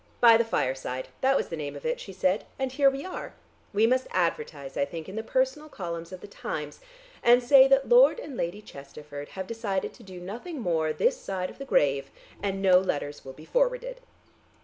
"'By the fireside'; that was the name of it," she said, "and here we are. We must advertise, I think, in the personal columns of the Times, and say that Lord and Lady Chesterford have decided to do nothing more this side of the grave, and no letters will be forwarded.